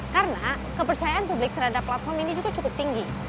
karena kepercayaan publik terhadap platform ini juga cukup tinggi